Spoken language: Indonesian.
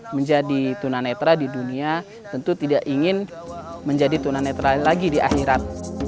menjadi tunan netral lagi di akhirat